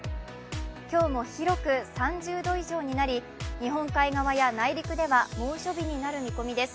今日も広く３０度以上になり、日本海側や内陸では猛暑日になる見込みです。